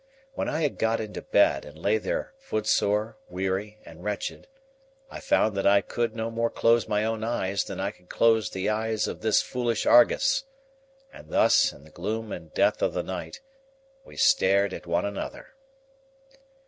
When I had got into bed, and lay there footsore, weary, and wretched, I found that I could no more close my own eyes than I could close the eyes of this foolish Argus. And thus, in the gloom and death of the night, we stared at one another.